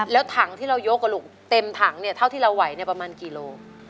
แล้วถังที่เรายกกระหลุมเต็มถังเท่าที่เราไหวประมาณกี่โล